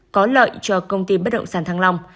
có lợi cho công ty bất động sản thăng long